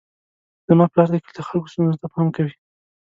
زما پلار د کلي د خلکو ستونزو ته پام کوي.